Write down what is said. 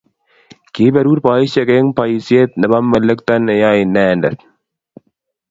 Kiiberur boisiek eng' boisiet nebomalekto neyoei inendet.